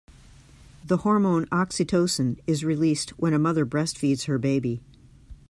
The hormone oxytocin is released when a mother breastfeeds her baby.